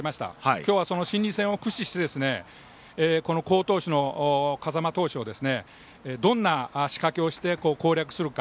今日は、その心理戦を駆使してこの好投手の風間投手をどんな仕掛けをして攻略するか。